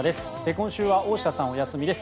今週は大下さんお休みです。